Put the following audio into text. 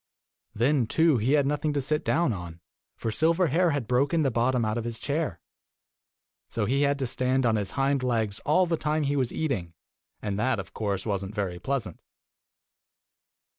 Then, too, he had nothing to sit down on, for Silverhair had broken the bottom out of his chair. So he had to stand on his hind legs all the time he was eating, and that, of course, was n't very pleasant.